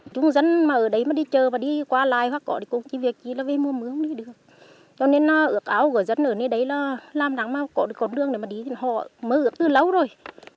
chúng dân mà ở đấy mà đi chờ mà đi qua lại hoặc có đi công trình việc gì là về mùa mưa không đi được cho nên ước áo của dân ở nơi đấy là làm nắng mà có đường để mà đi thì họ mới ước từ lâu rồi